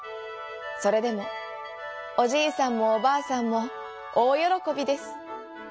それでもおじいさんもおばあさんもおおよろこびです。